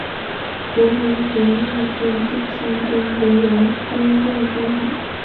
国民革命军第三军由王均任军长。